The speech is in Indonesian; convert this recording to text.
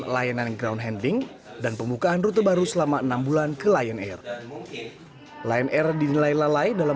lion air pun mengajukan keberatan atas sanksi tersebut